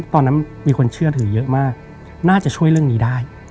ตอนนั้นมีคนเชื่อถือเยอะมากน่าจะช่วยเรื่องนี้ได้